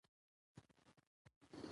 لوی اختر مو مبارک سه!